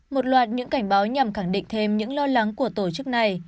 một loạt những cảnh báo nhằm khẳng định thêm những lo lắng của tổ chức này